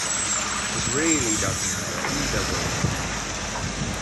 It really doesn't matter either way.